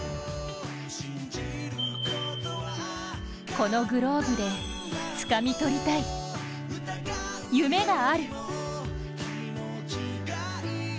このグローブでつかみ取りたい夢がある。